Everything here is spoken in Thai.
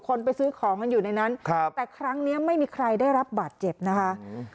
ไปซื้อของกันอยู่ในนั้นครับแต่ครั้งเนี้ยไม่มีใครได้รับบาดเจ็บนะคะอืม